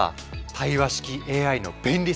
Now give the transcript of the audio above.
対話式ＡＩの便利さ。